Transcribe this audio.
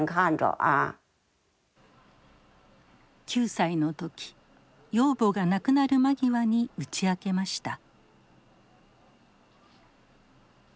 ９歳の時養母が亡くなる間際に打ち明けました。